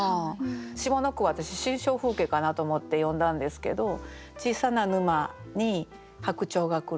下の句私心象風景かなと思って読んだんですけどちいさな沼に白鳥がくる。